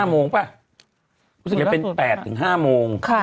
๕โมงป่ะรู้สึกจะเป็น๘๕โมง